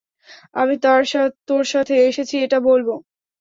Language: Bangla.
আমি তোর সাথে এসেছি এটা বলব?